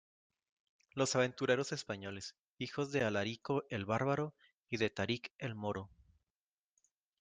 los aventureros españoles, hijos de Alarico el bárbaro y de Tarik el moro.